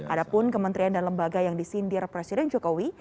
ada pun kementerian dan lembaga yang disindir presiden jokowi